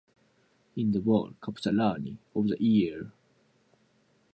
The city's motto is the "Taconite Capital of the World".